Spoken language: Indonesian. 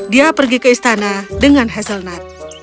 dia pergi ke istana dengan hazelnut